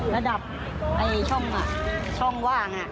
ระดับช่องว่าง